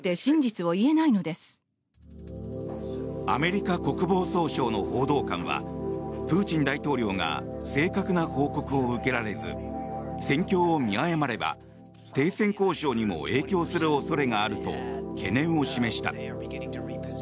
アメリカ国防総省の報道官はプーチン大統領が正確な報告を受けられず戦況を見誤れば、停戦交渉にも影響する恐れがあると懸念を示した。